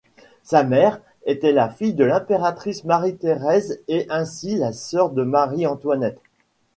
Sa mère était la fille de l'impératrice Marie-Thérèse et ainsi la sœur de Marie-Antoinette.